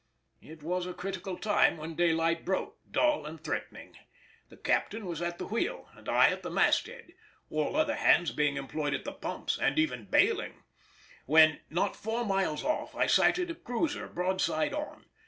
It was a critical time when daylight broke, dull and threatening. The captain was at the wheel, and I at the mast head (all other hands being employed at the pumps, and even baling), when, not four miles off, I sighted a cruiser broadside on.